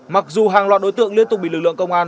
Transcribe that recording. mặc dù hàng loạt đối tượng liên tục bị lực lượng công an